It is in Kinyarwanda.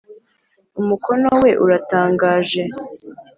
Umukono we uratangaje.